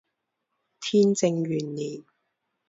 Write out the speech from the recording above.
天正元年。